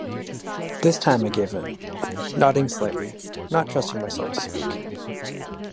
This time I give in, nodding slightly, not trusting myself to speak.